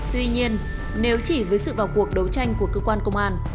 tuy nhiên nếu chỉ với sự vào cuộc đấu tranh của cơ quan công an